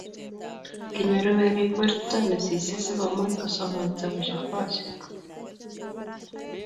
kinyoru werik weto nesisei sikomuch kusoman kitabusiek kwach